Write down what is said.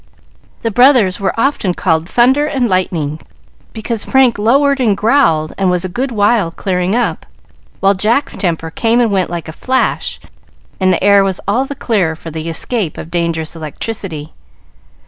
The brothers were often called "Thunder and Lightning," because Frank lowered and growled and was a good while clearing up, while Jack's temper came and went like a flash, and the air was all the clearer for the escape of dangerous electricity.